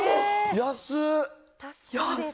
安い。